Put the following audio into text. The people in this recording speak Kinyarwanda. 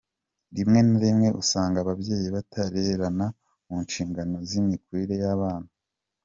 Rimwe na rimwe usanga ababyeyi batereranana mu nshingano z’imikurire y’abana.